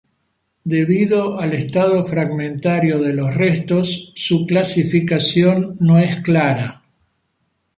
Debido al estado fragmentario de los restos su clasificación no es clara.